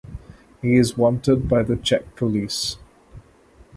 He is wanted by the Czech Police.